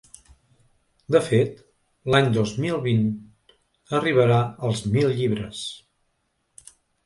De fet, l’any dos mil vint arribarà als mil llibres.